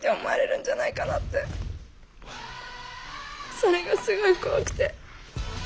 それがすごい怖くて。